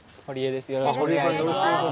よろしくお願いします。